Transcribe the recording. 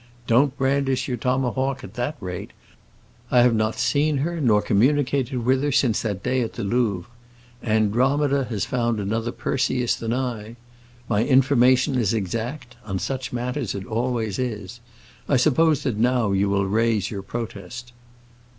Don't brandish your tomahawk at that rate; I have not seen her nor communicated with her since that day at the Louvre. Andromeda has found another Perseus than I. My information is exact; on such matters it always is. I suppose that now you will raise your protest."